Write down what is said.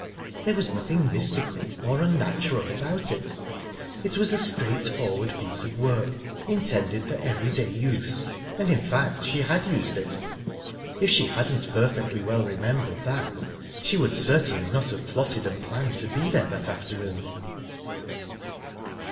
There was nothing mystical or unnatural about it; it was a straight forward piece of work, intended for everyday use. And in fact, she had used it. If she hadn't perfectly well remembered that, she would certainly not have plotted and planned to be there that afternoon.